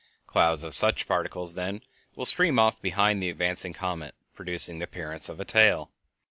Clouds of such particles, then, will stream off behind the advancing comet, producing the appearance of a tail.